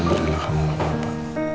alhamdulillah kamu ga apa apa